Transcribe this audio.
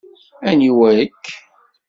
Aniwa-k?